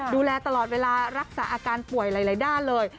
ดูแลตลอดเวลารักษาอาการป่วยหลายด้านเลย